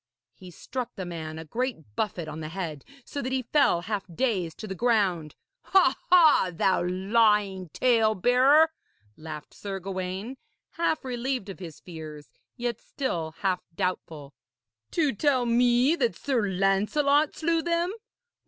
He struck the man a great buffet on the head, so that he fell half dazed to the ground. 'Ha! ha! thou lying talebearer!' laughed Sir Gawaine, half relieved of his fears, yet still half doubtful. 'To tell me that Sir Lancelot slew them!